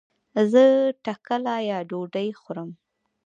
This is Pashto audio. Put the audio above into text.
زه ټکله يا ډوډي خورم